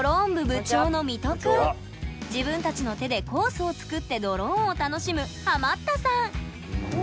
自分たちの手でコースを作ってドローンを楽しむハマったさん！